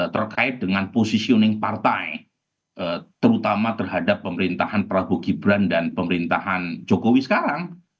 terkait dengan positioning partai terutama terhadap pemerintahan prabowo gibran dan pemerintahan jokowi sekarang